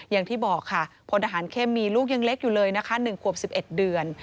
อย่างที่บอกพลทหารเข้มมีลูกยังเล็กอยู่เลย๑๑๑เดือน